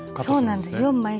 そうなんです。